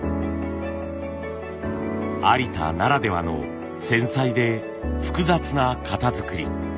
有田ならではの繊細で複雑な型作り。